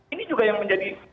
ini juga yang menjadi